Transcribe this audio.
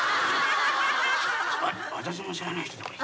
私も知らない人だこれ。